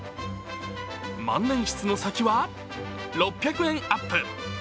万年筆の先は６００円アップ。